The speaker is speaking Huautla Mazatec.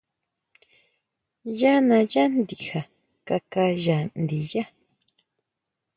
Yá naʼyá ndija kaká ya ndiyá.